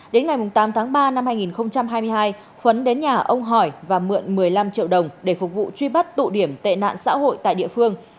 đến ngày tám tháng ba năm hai nghìn hai mươi hai khuấn đến nhà ông hỏi và mượn một mươi năm triệu đồng để phục vụ truy bắt tụ điểm tệ nạn xã hội tại địa phương